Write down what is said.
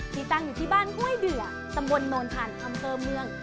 ที่ตั้งอยู่ที่บ้านห้วยเดือตำบลโนนทานอำเภอเมือง